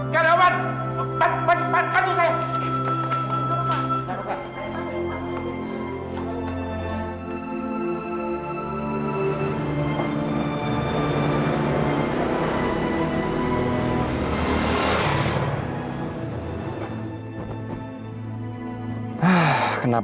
kamu harus istirahat